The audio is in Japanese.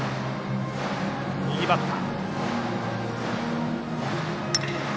右バッター。